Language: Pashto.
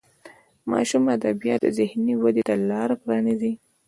ماشوم ادبیات د ذهني ودې ته لار پرانیزي.